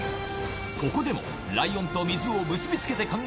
ここでもライオンと水を結び付けて考える